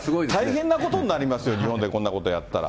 大変なことになりますよ、日本でこんなことやってたら。